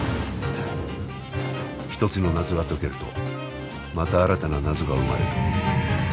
一つの謎が解けるとまた新たな謎が生まれる。